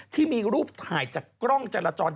ที่มีรูปถ่ายจากกล้องจรจร